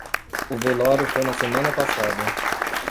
O velório foi na semana passada.